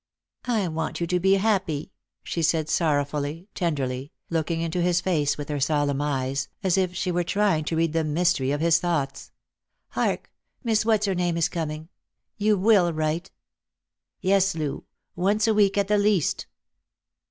" I want you to be happy," she said sorrowfully, tenderly, looking into his face with her solemn eyes, as if she were trying to read the mystery of his thoughts. " Hark ! Miss What's her name is coming. You will write ?"" Yes, Loo ; once a week at the least."